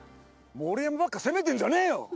盛山ばっかせめてんじゃねえよ。